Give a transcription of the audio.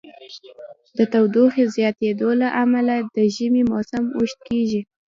د تودوخې د زیاتیدو له امله د ژمی موسم اوږد کیږي.